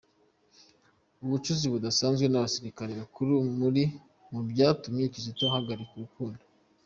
Ubucuti budasanzwe n’abasirikare bakuru buri mubyatumye Kizito ahagarika urukundo